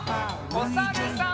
おさるさん。